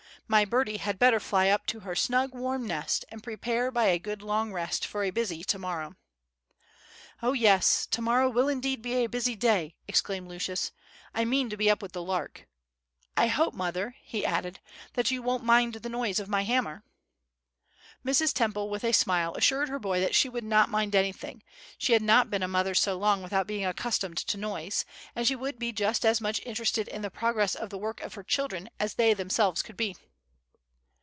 My birdie had better fly up to her snug warm nest, and prepare by a good long rest for a busy to morrow." "Oh, yes, to morrow will indeed be a busy day!" exclaimed Lucius; "I mean to be up with the lark. I hope, mother," he added, "that you won't mind the noise of my hammer?" Mrs. Temple with a smile assured her boy that she would not mind anything; she had not been a mother so long without becoming accustomed to noise, and she would be just as much interested in the progress of the work of her children as they themselves could be.